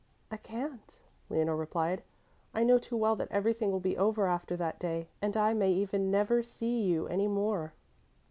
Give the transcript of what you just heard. "I can't," Leonore replied. "I know too well that everything will be over after that day, and I may even never see you any more."